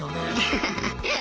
ハハハッ。